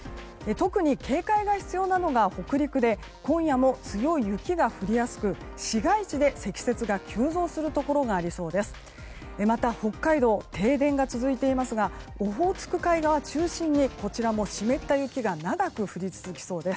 特に警戒が必要なのが北陸で今夜も強い雪が降りやすく市街地で積雪が急増するところがありそうです。